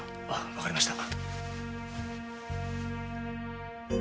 わかりました。